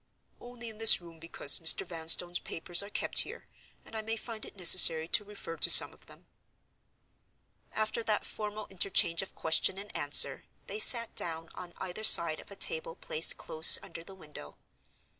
"Only in this room, because Mr. Vanstone's papers are kept here, and I may find it necessary to refer to some of them." After that formal interchange of question and answer, they sat down on either side of a table placed close under the window.